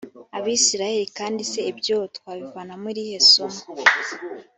abisirayeli kandi se ibyo twabivanamo irihe somo